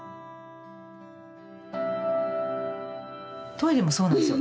トイレもそうなんですよ。